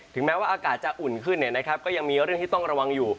ถึงแม้ว่าอากาศจะอุ่นขึ้นเนี่ยนะครับก็ยังมีเรื่องที่ต้องระวังอยู่